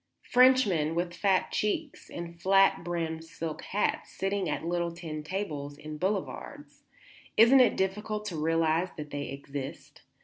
Frenchmen with fat cheeks and flat brimmed silk hats sitting at little tin tables in boulevards; isn't it difficult to realize that they exist?